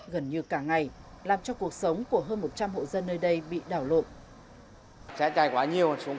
gần như cả ngày làm cho cuộc sống của hơn một trăm linh hộ dân nơi đây bị đảo lộn